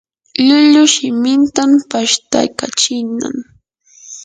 lllullu shimintan pashtaykachinnam.